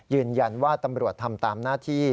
ยืนยันว่าตำรวจทำตามหน้าที่